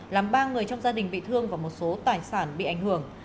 làm ba người trong gia đình bị thương và một số tài sản bị ảnh hưởng